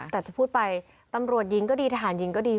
แต่จะพูดไปตำรวจหญิงก็ดีทหารหญิงก็ดี